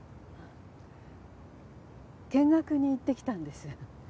見学に行ってきたんです。